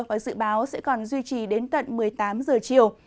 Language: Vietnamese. nắng ngay từ giờ và dự báo sẽ còn duy trì đến tận một mươi tám giờ chiều